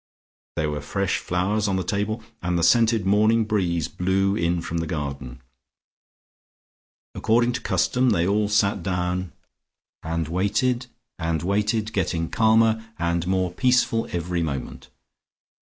There were fresh flowers on the table, and the scented morning breeze blew in from the garden. According to custom they all sat down and waited, getting calmer and more peaceful every moment.